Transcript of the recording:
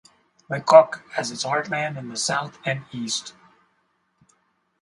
Le Coq has its heartland in the south and east.